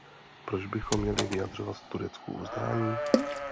Proč bychom měli vyjadřovat Turecku uznání?